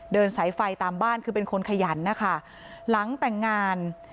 เดินสายไฟตามบ้านคือเป็นคนขยันนะคะหลังแต่งงาน